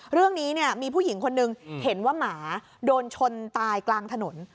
เรื่องนี้เนี่ยมีผู้หญิงคนนึงเห็นว่าหมาโดนชนตายกลางถนน